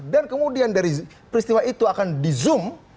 dan kemudian dari peristiwa itu akan di zoom